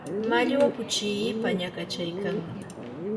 mallwa kuchii pañakachaykannam